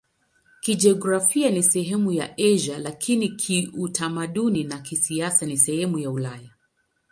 Kijiografia ni sehemu ya Asia, lakini kiutamaduni na kisiasa ni sehemu ya Ulaya.